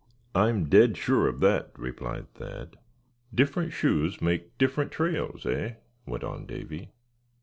"I'm dead sure of that," replied Thad. "Different shoes make different trails, eh?" went on Davy.